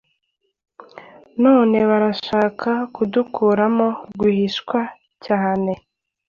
None barashaka kudukuramo rwihishwa cyane